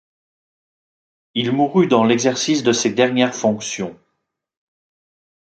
Il mourut dans l'exercice de ces dernières fonctions.